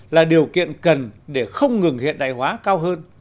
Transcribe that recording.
là điều kiện cần để không ngừng hiện đại hóa cao hơn